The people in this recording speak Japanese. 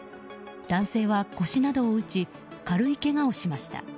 男性は腰などを打ち軽いけがをしました。